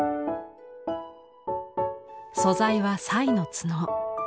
素材はサイの角。